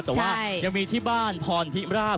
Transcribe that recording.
แต่ว่ายังมีที่บ้านพรพิราบ